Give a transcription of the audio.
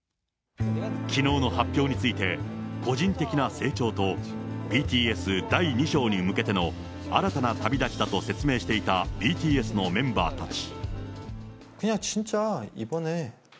きのうの発表について、個人的な成長と、ＢＴＳ第２章に向けての新たな旅立ちだと説明していたＢＴＳのメンバーたち。